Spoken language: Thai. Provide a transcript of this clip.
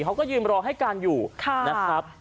เขาก็ยืนรอให้การอยู่นะครับ